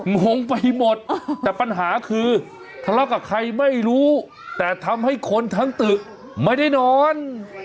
งงไปหมดแต่ปัญหาคือทะเลาะกับใครไม่รู้แต่ทำให้คนทั้งตึกไม่ได้นอน